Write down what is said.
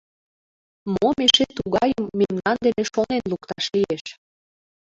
Мом эше тугайым мемнан дене шонен лукташ лиеш?